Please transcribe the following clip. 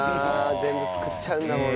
全部作っちゃうんだもんな。